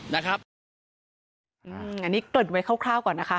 นะครับอืมอันนี้เกิดไว้คร่าวก่อนนะคะ